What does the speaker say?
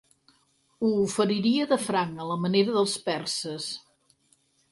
Ho oferiria de franc, a la manera dels perses.